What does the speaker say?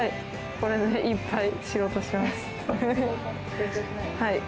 これでいっぱい仕事します。